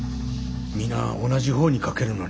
皆同じ方に賭けるのに。